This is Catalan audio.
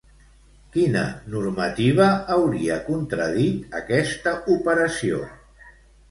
Quina normativa hauria contradit aquesta operació?